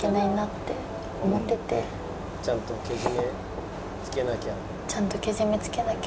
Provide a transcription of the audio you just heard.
「ちゃんとけじめつけなきゃ」。